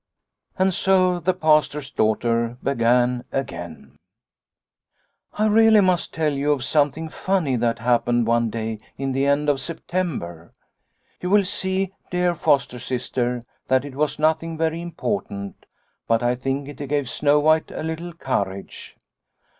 And so the Pastor's daughter began again. f< I really must tell you of something funny that happened one day in the end of September. You will see, dear foster sister, that it was nothing very important, but I think it gave Snow White a little courage.